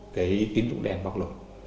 cái tín dụng đen bắt lộn